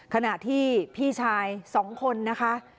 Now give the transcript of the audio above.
ขณะที่พี่ชาย๒คนนะคะ